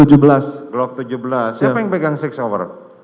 glock tujuh belas siapa yang pegang enam hour